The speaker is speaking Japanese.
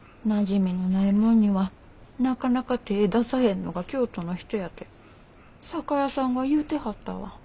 なじみのないもんにはなかなか手ぇ出さへんのが京都の人やて酒屋さんが言うてはったわ。